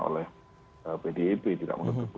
oleh bdip tidak menutup